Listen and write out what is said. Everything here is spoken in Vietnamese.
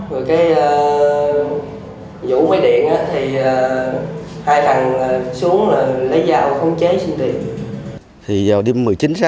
rồi cái vụ máy điện thì hai thằng xuống là lấy giao khống chế xin tiền